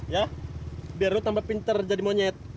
ya biar lu tambah pinter jadi monyet